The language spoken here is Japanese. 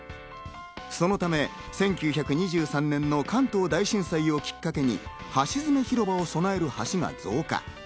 そのため１９２３年の関東大震災をきっかけに橋詰広場を備える橋を増加。